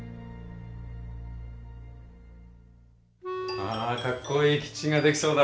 あかっこいいキッチンが出来そうだ。